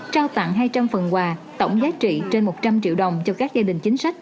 trao tặng hai trăm linh phần quà tổng giá trị trên một trăm linh triệu đồng cho các gia đình chính sách